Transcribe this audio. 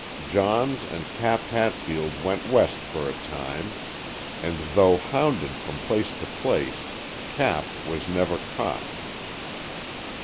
Johns and Cap Hatfield went West for a time, and, though hounded from place to place, Cap was never caught.